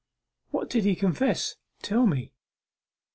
'What did he confess? Tell me.